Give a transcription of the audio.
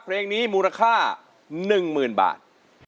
เพลงนี้มูลค่า๑๐๐๐บาท